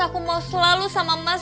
aku mau selalu sama mas